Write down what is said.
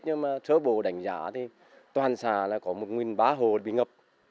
nhưng mà sớ bù đánh giá thì toàn xá là có một nguyên ba hồ bị ngập